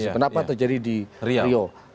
kenapa terjadi di rio